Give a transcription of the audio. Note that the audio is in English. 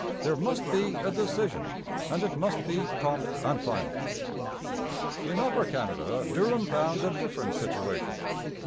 There must be a 'decision'; and it must be 'prompt and final.' In Upper Canada Durham found a different situation.